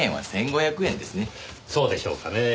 そうでしょうかねぇ？